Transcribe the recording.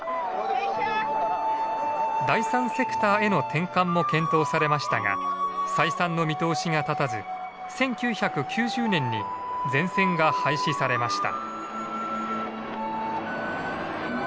第３セクターへの転換も検討されましたが採算の見通しが立たず１９９０年に全線が廃止されました。